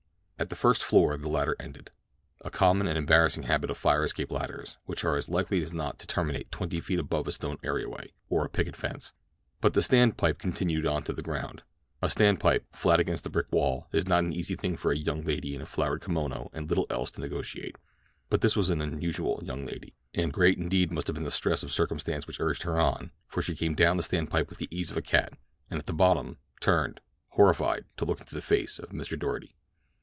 At the first floor the ladder ended—a common and embarrassing habit of fire escape ladders, which are as likely as not to terminate twenty feet above a stone areaway, or a picket fence—but the stand pipe continued on to the ground. A stand pipe, flat against a brick wall, is not an easy thing for a young lady in a flowered kimono and little else to negotiate; but this was an unusual young lady, and great indeed must have been the stress of circumstance which urged her on, for she came down the stand pipe with the ease of a cat, and at the bottom, turned, horrified, to look into the face of Mr. Doarty.